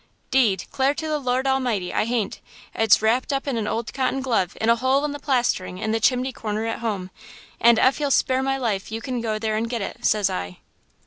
'Deed, 'clare to the Lord a mighty, I hain't! It's wrapped up in an old cotton glove in a hole in the plastering in the chimney corner at home, and ef you'll spare my life you can go there and get it,' says I.